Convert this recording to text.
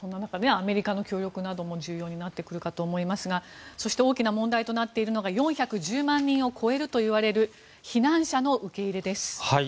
アメリカの協力なども重要になってくると思いますがそして大きな問題となっているのが４１０万人を超えるといわれる避難者の受け入れです。